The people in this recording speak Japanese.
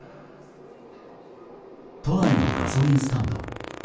都内のガソリンスタンド。